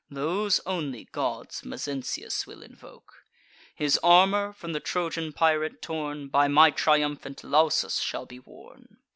(Those only gods Mezentius will invoke.) His armour, from the Trojan pirate torn, By my triumphant Lausus shall be worn."